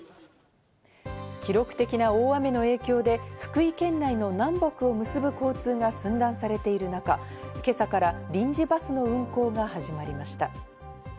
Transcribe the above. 記録的な大雨の影響で、福井県内の南北を結ぶ交通が寸断されている中、今朝から臨時バスの運行が始まりました。